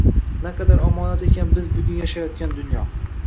Naqadar omonat ekan biz bugun yashayotgan dunyo.